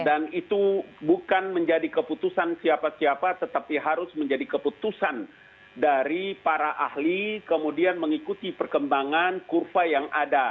dan itu bukan menjadi keputusan siapa siapa tetapi harus menjadi keputusan dari para ahli kemudian mengikuti perkembangan kurva yang ada